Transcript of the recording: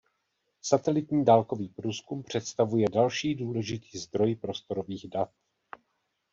Satelitní dálkový průzkum představuje další důležitý zdroj prostorových dat.